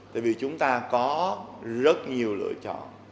tại vì chúng ta có rất nhiều lựa chọn